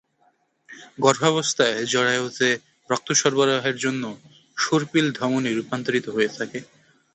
গর্ভাবস্থায় জরায়ুতে রক্ত সরবরাহের জন্য সর্পিল ধমনী রূপান্তরিত হয়ে থাকে।